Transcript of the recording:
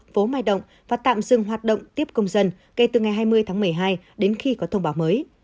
phố mai động và tạm dừng hoạt động tiếp công dân kể từ ngày hai mươi tháng một mươi hai đến khi có thông báo mới